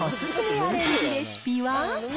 アレンジレシピは。